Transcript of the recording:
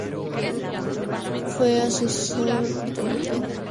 Fue asesor cultural para entidades gubernamentales y empresas privadas.